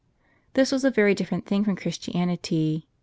This was a very different thing from Christianity.